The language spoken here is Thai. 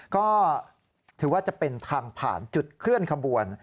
ก็ถือว่าจะเป็นทางผ่านจุดเคลื่อนขบวน